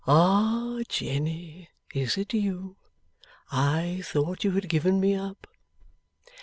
'Ah Jenny, is it you? I thought you had given me up.